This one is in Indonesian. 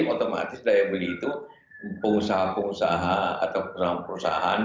otomatis daya beli itu pengusaha pengusaha atau perusahaan